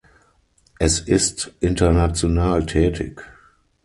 Es ist international tätig.